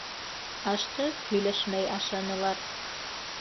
Ашты һөйләшмәй ашанылар.